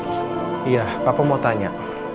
iya papa mau tanya